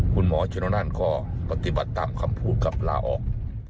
คุณหมอชนนั่นก็ปฏิบัติตามคำพูดกับลาออก